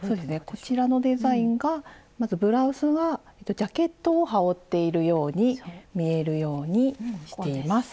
こちらのデザインがまずブラウスはジャケットを羽織っているように見えるようにしています。